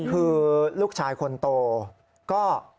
คือลูกชายคนโตก็